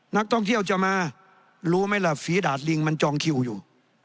นักท่องเที่ยวจะมารู้ไหมล่ะฝีดาดลิงมันจองคิวอยู่